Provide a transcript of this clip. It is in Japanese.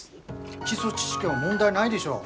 基礎知識は問題ないでしょう。